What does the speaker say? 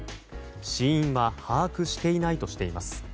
死因は把握していないとしています。